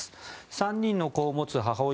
３人の子を持つ母親